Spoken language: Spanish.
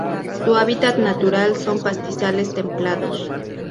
Su hábitat natural son: pastizales templados.